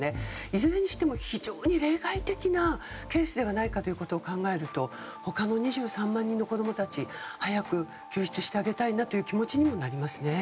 いずれにしても、非常に例外的なケースではないかと考えると他の２３万人の子供たち早く救出してあげたいという気持ちにもなりますよね。